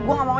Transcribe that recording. gue gak mau